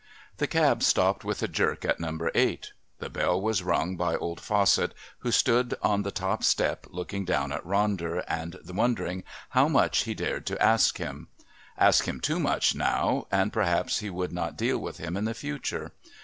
The cab stopped with a jerk at Number Eight. The bell was rung by old Fawcett, who stood on the top step looking down at Ronder and wondering how much he dared to ask him. Ask him too much now and perhaps he would not deal with him in the future.